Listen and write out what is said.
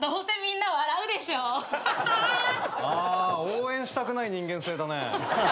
応援したくない人間性だね。